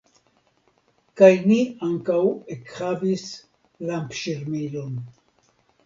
Kaj ni ankaŭ ekhavis lampŝirmilon.